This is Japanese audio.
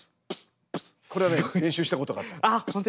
これはね練習したことがあった。